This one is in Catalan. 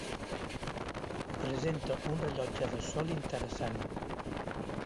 Presenta un rellotge de sol interessant.